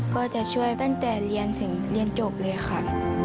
ก็จะช่วยตั้งแต่เรียนถึงเรียนจบเลยค่ะ